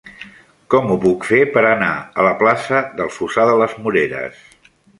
Com ho puc fer per anar a la plaça del Fossar de les Moreres?